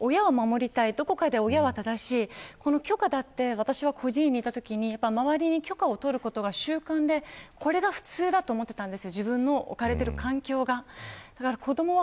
ＳＯＳを出してもし捕まったらと子どものときは親を守りたいどこかで親は正しいこの許可だって孤児院にいたときに周りに許可を取ることが習慣でこれが普通だと思っていたんです。